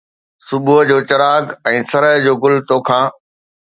صبح جو چراغ ۽ سرءُ جو گل توکان